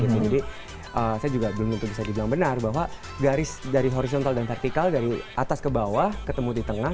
jadi saya juga belum bisa dibilang benar bahwa garis dari horizontal dan vertical dari atas ke bawah ketemu di tengah